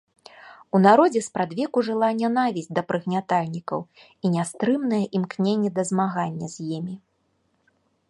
У народзе спрадвеку жыла нянавісць да прыгнятальнікаў і нястрымнае імкненне да змагання з імі.